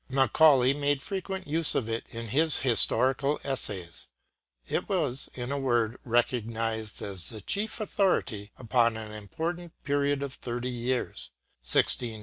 Macaulay made frequent use of it in his historical essays. It was, in a word, recognised as the chief authority upon an important period of thirty years (1694 1723).